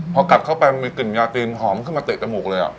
พอกลับเข้าไปมันมีกลิ่นยาตีนหอมขึ้นมาเตะจมูกเลย